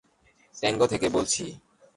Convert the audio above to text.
Tango থেকে বলছি।